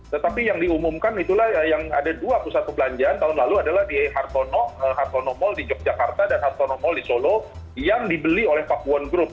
tetapi yang diumumkan itulah yang ada dua pusat perbelanjaan tahun lalu adalah di hartono mall di yogyakarta dan hartono mall di solo yang dibeli oleh pakuwon group